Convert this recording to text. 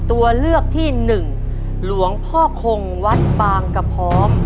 ตัวเลือกที่หนึ่งหลวงพ่อคงวัดบางกระพร้อม